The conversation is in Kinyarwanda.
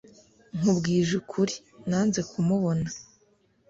nkubwije ukuri, nanze kumubona.